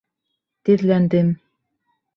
Теҙләндем.